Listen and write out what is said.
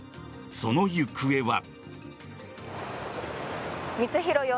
その行方は。